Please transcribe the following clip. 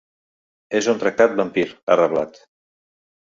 És un tractat vampir, ha reblat.